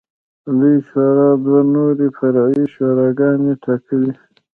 لویې شورا دوه نورې فرعي شوراګانې ټاکلې.